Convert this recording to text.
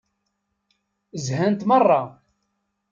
Zhant meṛṛa.